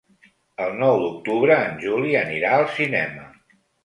El nou d'octubre en Juli anirà al cinema.